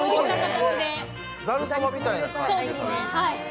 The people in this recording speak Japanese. ざるそばみたいな感じで。